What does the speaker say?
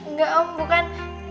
nggak om bukan